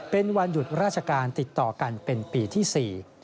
เป็นวันหยุดราชการติดต่อกันเป็นปีที่๔